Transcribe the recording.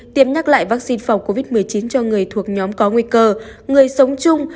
tiêm nhắc lại vaccine phòng covid một mươi chín cho người thuộc nhóm có nguy cơ người sống chung